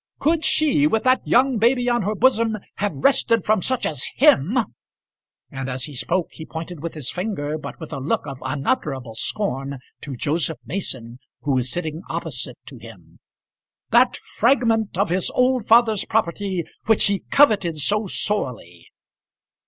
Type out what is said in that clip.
Could she, with that young baby on her bosom, have wrested from such as him" and as he spoke he pointed with his finger, but with a look of unutterable scorn, to Joseph Mason, who was sitting opposite to him "that fragment of his old father's property which he coveted so sorely?